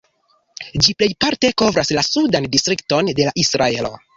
Ĝi plejparte kovras la Sudan Distrikton de Israelo.